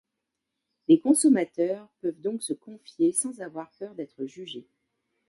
Les consommateurs peuvent donc se confier sans avoir peur d'être jugés.